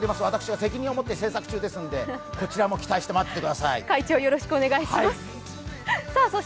私が責任を持って制作中ですのでこちらも期待して待っていてください。